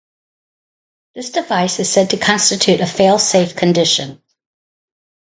This device is said to constitute a fail-safe condition.